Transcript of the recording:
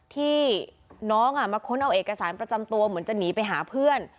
ที่น้องมาค้นเอาเอกสารประจำตัวเหมือนจะหนีไปหาเพื่อน